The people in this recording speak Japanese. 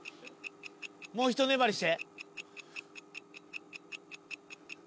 ［もうひと粘りして］